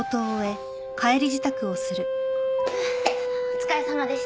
ふうお疲れさまでした。